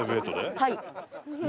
はい。